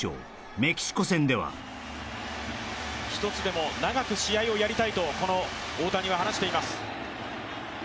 メキシコ戦では１つでも長く試合をやりたいとこの大谷は話しています